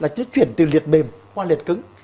nó chuyển từ liệt mềm qua liệt cứng